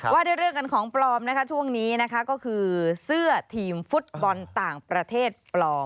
ว่าด้วยเรื่องกันของปลอมนะคะช่วงนี้นะคะก็คือเสื้อทีมฟุตบอลต่างประเทศปลอม